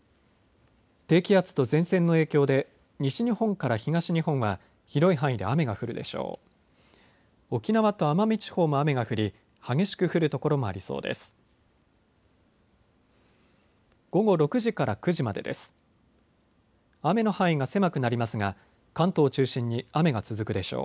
低気圧と前線の影響で西日本から東日本は広い範囲で雨が降るでしょう。